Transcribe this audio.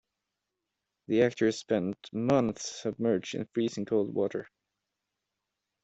The actors spent months submerged in freezing cold water.